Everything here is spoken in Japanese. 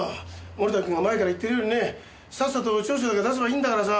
森田君が前から言ってるようにねさっさと調書だけ出せばいいんだからさ。